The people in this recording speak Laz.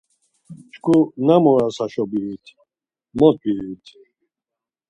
Çku nam oras haşo bivit, mot bivit?